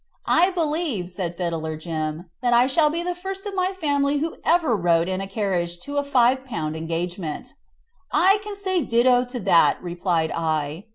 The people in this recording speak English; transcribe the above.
"I believe," said Fiddler Jim, "that I shall be the first of my family who ever rode in a carriage to a five pound engagement." "I can say ditto to that," replied I.